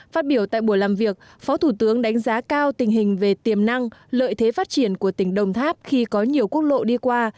phát biểu tại buổi làm việc phó thủ tướng đánh giá cao tình hình về tiềm năng lợi thế phát triển của tỉnh đồng tháp khi có nhiều quốc lộ đi qua